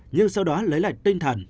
nhưng sau đó lấy lại tinh thần